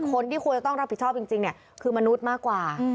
คนที่ควรจะต้องรับผิดชอบจริงเนี่ยคือมนุษย์มากกว่า